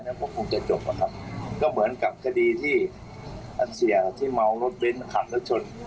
แล้วก็คงจะจบอะครับก็เหมือนกับคดีที่เสียที่เมารถเบ้นขับรถชน